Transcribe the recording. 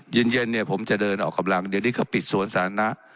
เย็นเนี่ยผมจะเดินออกกำลังเดี๋ยวนี้เขาปิดสวนสาธารณะ